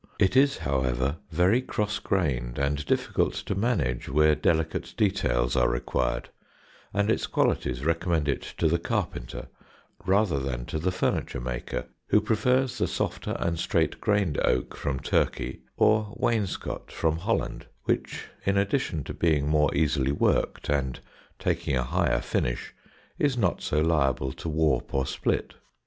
It is, however, very cross grained and difficult to manage where delicate details are required, and its qualities recommend it to the carpenter rather than to the furniture maker, who prefers the softer and straight grained oak from Turkey or wainscot from Holland, which, in addition to being more easily worked and taking a higher finish, is not so liable to warp or split.